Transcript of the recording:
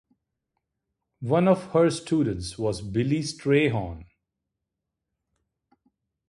One of her students was Billy Strayhorn.